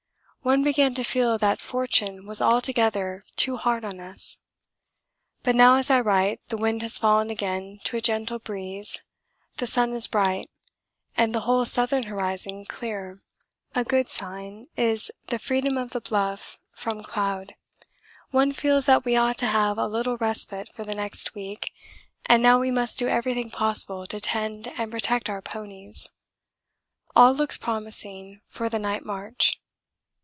One began to feel that fortune was altogether too hard on us but now as I write the wind has fallen again to a gentle breeze, the sun is bright, and the whole southern horizon clear. A good sign is the freedom of the Bluff from cloud. One feels that we ought to have a little respite for the next week, and now we must do everything possible to tend and protect our ponies. All looks promising for the night march.